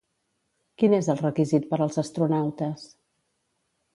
Quin és el requisit per als astronautes?